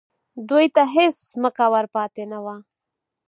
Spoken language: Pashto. دوی ته هېڅ ځمکه ور پاتې نه وه